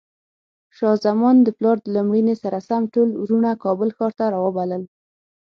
شاه زمان د پلار له مړینې سره سم ټول وروڼه کابل ښار ته راوبلل.